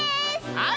はい。